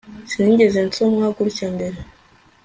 Sinigeze nsomwa gutya mbere